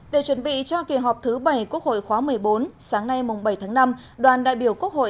để chuẩn bị cho kỳ họp thứ bảy quốc hội khóa một mươi bốn sáng nay bảy tháng năm đoàn đại biểu quốc hội